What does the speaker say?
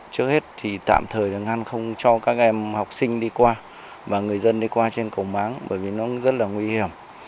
trước hết thì tạm thời là ngăn không cho các em học sinh đi qua và người dân đi qua trên cầu máng bởi vì nó rất là nguy hiểm